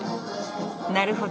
なるほど。